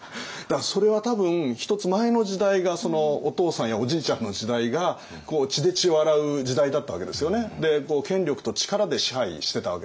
それは多分１つ前の時代がお父さんやおじいちゃんの時代が血で血を洗う時代だったわけですよね。